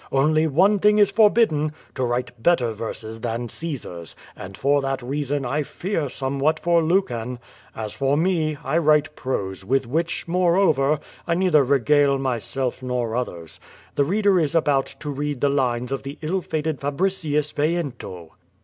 Only one thing is forbid den: To write better verses than Caesar's, and for that rea son I fear somewhat for Lucan. As for me, I write prose with which, moreover, I neither regale myself nor others. The reader is about to read the lines of the ill fated Fabri cius Veiento."